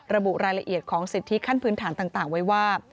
ระบุรายละเอียดของสิทธิขั้นพื้นฐานต่างไว้ว่า